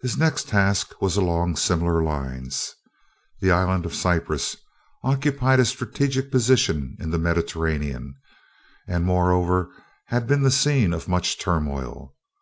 His next task was along similar lines. The Island of Cyprus occupied a strategic position in the Mediterranean, and moreover had been the scene of much turmoil.